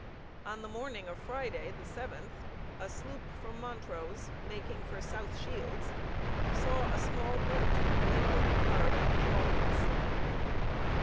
On the morning of Friday, the 7th, a sloop from Montrose, making for South Shields, saw a small boat labouring hard in the trough of the sea.